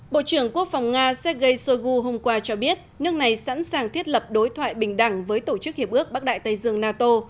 bộ trưởng quốc phòng nga sergei shoigu hôm qua cho biết nước này sẵn sàng thiết lập đối thoại bình đẳng với tổ chức hiệp ước bắc đại tây dương nato